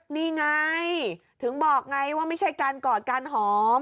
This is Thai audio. นี่ไงถึงบอกไงว่าไม่ใช่การกอดการหอม